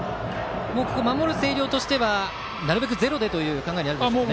ここは守る星稜はなるべくゼロでという考えになるでしょうかね。